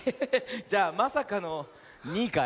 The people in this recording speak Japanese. じゃあまさかの２いかい？